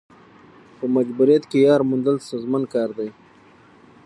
په مجبوریت کې یار موندل ستونزمن کار دی.